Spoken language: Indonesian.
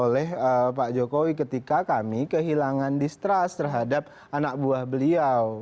oleh pak jokowi ketika kami kehilangan distrust terhadap anak buah beliau